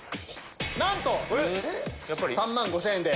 なんと３万５０００円で。